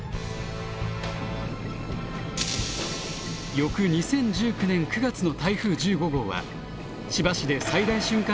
翌２０１９年９月の台風１５号は千葉市で最大瞬間